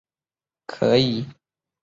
可以通过过桥到达城堡。